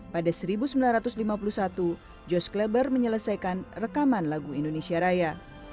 pada seribu sembilan ratus lima puluh satu jos kleber menyelesaikan rekaman lagu indonesia raya